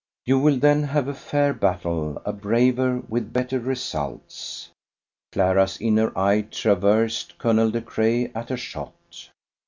You will then have a fair battle, a braver, with better results. Clara's inner eye traversed Colonel De Craye at a shot.